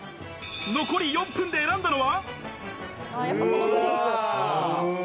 残り４分で選んだのは。